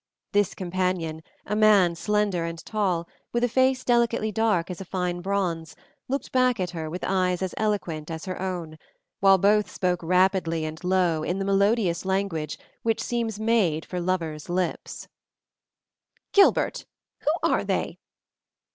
This companion, a man slender and tall, with a face delicately dark as a fine bronze, looked back at her with eyes as eloquent as her own, while both spoke rapidly and low in the melodious language which seems made for lover's lips. "Gilbert, who are they?"